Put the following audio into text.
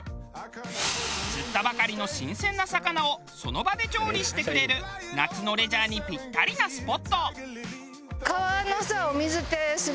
釣ったばかりの新鮮な魚をその場で調理してくれる夏のレジャーにピッタリなスポット。